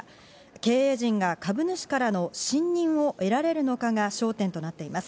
経営陣が株主からの信任を得られるのかが焦点となっています。